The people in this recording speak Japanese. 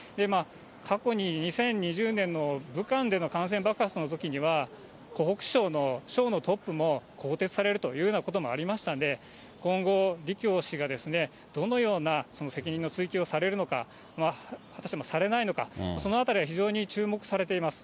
過去に２０２０年の武漢での感染爆発のときには、湖北省の省のトップも更迭されるというようなこともありましたんで、今後、李強氏がどのような責任の追及をされるのか、またされないのか、そのあたりは非常に注目されています。